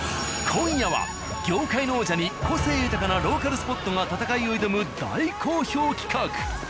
今夜は業界の王者に個性豊かなローカルスポットが戦いを挑む大好評企画。